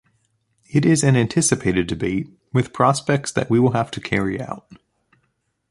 It is an anticipated debate with prospects that we will have to carry out.